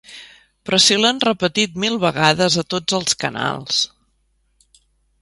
Però si l'han repetit mil vegades a tots els canals.